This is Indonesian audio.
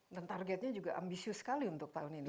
dan targetnya juga ambisius sekali untuk tahun ini